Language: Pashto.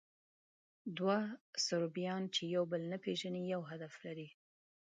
دوه صربیان، چې یو بل نه پېژني، یو هدف لري.